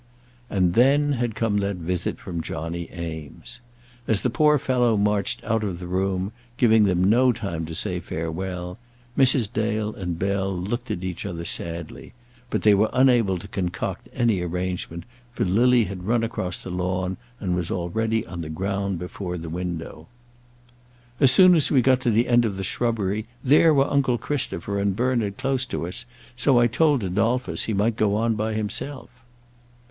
And then had come that visit from Johnny Eames. As the poor fellow marched out of the room, giving them no time to say farewell, Mrs. Dale and Bell looked at each other sadly; but they were unable to concoct any arrangement, for Lily had run across the lawn, and was already on the ground before the window. "As soon as we got to the end of the shrubbery there were uncle Christopher and Bernard close to us; so I told Adolphus he might go on by himself."